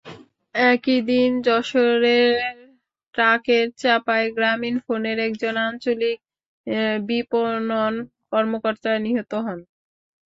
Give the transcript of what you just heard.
একই দিন যশোরে ট্রাকের চাপায় গ্রামীণফোনের একজন আঞ্চলিক বিপণন কর্মকর্তা নিহত হন।